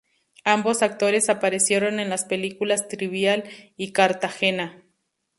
Ambos actores aparecieron en las películas "Trivial" y "Cartagena".